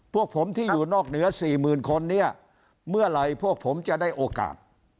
พวกผมที่อยู่นอกเหนือสี่หมื่นคนเนี่ยเมื่อไหร่พวกผมจะได้โอกาส